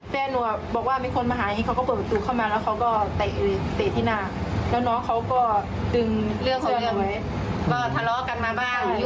แปลงหนัวบอกว่าไม่ควรมาหาอย่างนี้